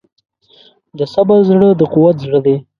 د صبر زړه د قوت زړه دی.